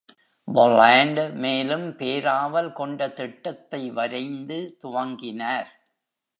Bolland மேலும் பேராவல் கொண்ட திட்டத்தை வரைந்து துவங்கினார்.